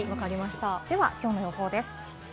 では今日の予報です。